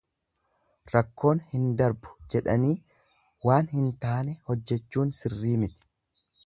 Rakkoon hin darbu jedhanii waan hin taane hojjechuun sirrii miti.